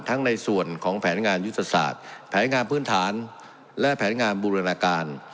ในส่วนของแผนงานยุทธศาสตร์แผนงานพื้นฐานและแผนงานบูรณาการ